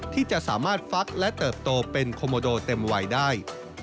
ที่จะสามารถฟักและเติบโตเป็นโคโมโดเต็มวัยได้